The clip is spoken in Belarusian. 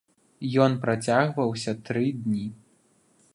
Ён працягваўся тры дні.